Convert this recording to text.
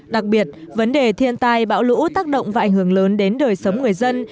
đặc biệt vấn đề thiên tai bão lũ tác động và ảnh hưởng lớn đến đời sống người dân